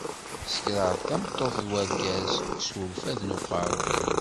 Sekraɣ-d tameṭṭut d urgaz s urfad n uqeṛṛu.